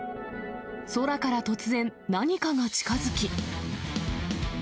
空から突然、何かが近づき。